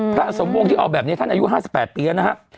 พระสมวงที่ออกแบบนี้ท่านอายุสแปดเอ้ะนะฮะ